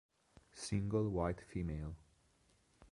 Single White Female